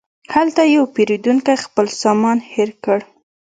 هلته یو پیرودونکی خپل سامان هېر کړ.